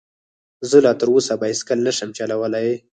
زه لا تر اوسه بايسکل نشم چلولی